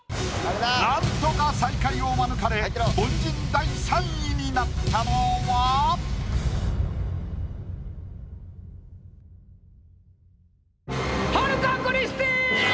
なんとか最下位を免れ凡人第３位になったのは⁉春香クリスティーン！